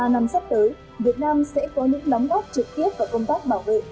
nói tới việt nam sẽ có những lóng góp trực tiếp vào công tác bảo vệ